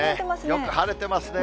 よく晴れてますね。